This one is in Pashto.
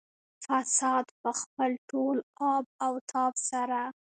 فساد په خپل ټول آب او تاب سره.